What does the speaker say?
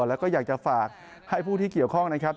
แล้วก็อยากจะฝากให้ผู้ที่เกี่ยวข้องนะครับ